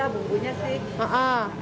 ya bumbunya sih